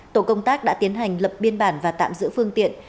tổ công tác đã tiến hành lập biên bản và tạm giữ phương tiện